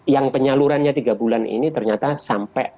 yang penyalurannya tiga bulan ini ternyata sampai